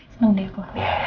seneng deh aku